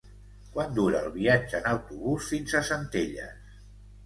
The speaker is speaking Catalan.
Quant dura el viatge en autobús fins a Centelles?